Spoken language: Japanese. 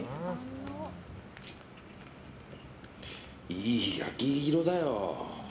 いい焼き色だよ。